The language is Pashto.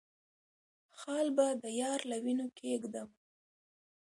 خال به د يار له وينو کېږدم